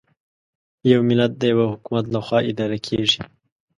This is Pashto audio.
یو ملت د یوه حکومت له خوا اداره کېږي.